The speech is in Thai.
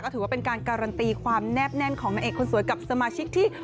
ถือว่าเป็นการการันตีความแนบแน่นของนางเอกคนสวยกับสมาชิกที่